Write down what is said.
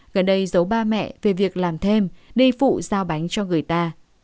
gần đây giấu ba mẹ về việc làm thêm đi phụ giao bánh cho người ta